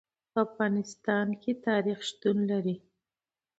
په افغانستان کې تاریخ شتون لري.